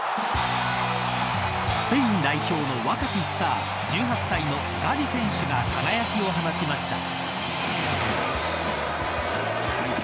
スペイン代表の若きスター１８歳のガヴィ選手が輝きを放ちました。